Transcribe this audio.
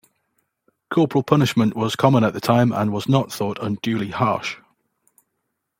Corporal punishment was common at the time, and was not thought unduly harsh.